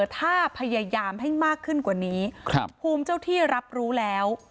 ถ้าพยายามให้มากขึ้นกว่านี้ภูมิเจ้าที่รับรู้แล้ว